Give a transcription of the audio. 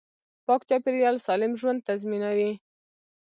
پاک چاپیریال سالم ژوند تضمینوي